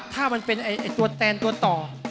ถ้ามันเป็นตัวแตนตัวต่อ